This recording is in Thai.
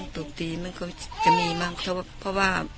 ตกตีมันก็จะมีบ้างเพราะว่า